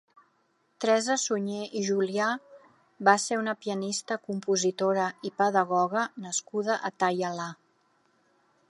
Teresa Suñer i Julià va ser una pianista, compositora i pedagoga nascuda a Taialà.